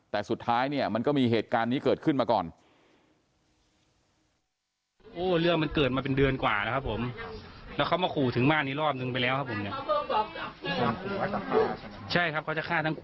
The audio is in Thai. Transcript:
แต่สุดท้ายเนี่ยมันก็มีเหตุการณ์นี้เกิดขึ้นมาก่อน